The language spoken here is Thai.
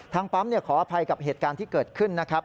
ปั๊มขออภัยกับเหตุการณ์ที่เกิดขึ้นนะครับ